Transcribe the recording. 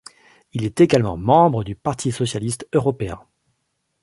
Il est également membre du Parti socialiste européen.